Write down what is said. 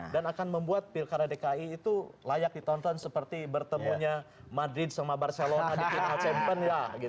dan akan membuat pilkara dki itu layak ditonton seperti bertemunya madrid sama barcelona di final champion